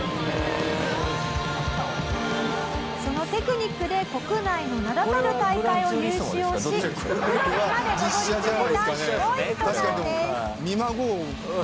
そのテクニックで国内の名だたる大会を優勝しプロにまで上り詰めたすごい人なんです。